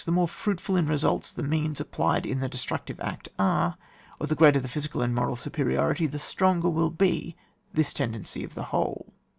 The more fruitM in results the means applied in the destructive act are, or the greater the physical and moral superiority, the stronger will be this ten dency of ^e whole.